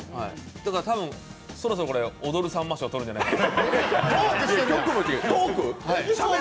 だから多分、そろそろこれ踊るさんま賞取るんじゃないかと。